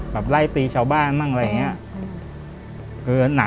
ไล่ตีชาวบ้านมั่งอะไรอย่างนี้